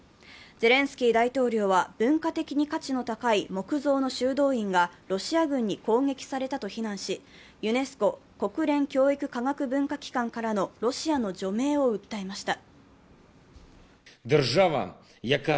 ゼレンスキー大統領は文化的に価値の高い木造の修道院がロシア軍に攻撃されたと非難し、ユネスコ＝国連教育科学文化機関からのロシアの除名を訴えました。